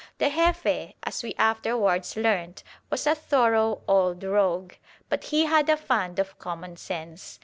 The Jefe, as we afterwards learnt, was a thorough old rogue, but he had a fund of common sense.